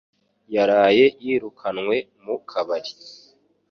yaraye yirukanwe mu kabari